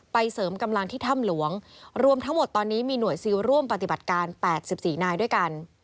เสริมกำลังที่ถ้ำหลวงรวมทั้งหมดตอนนี้มีหน่วยซิลร่วมปฏิบัติการ๘๔นายด้วยกัน